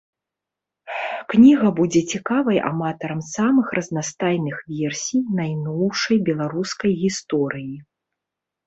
Кніга будзе цікавай аматарам самых разнастайных версій найноўшай беларускай гісторыі.